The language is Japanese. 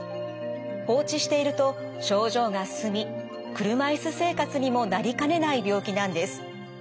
放置していると症状が進み車椅子生活にもなりかねない病気なんです。